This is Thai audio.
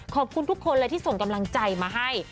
ขอบคุณทุกคนเลยที่ส่งกำลังใจมาให้